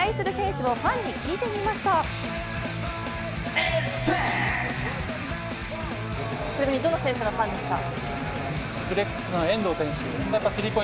ちなみにどの選手のファンですか？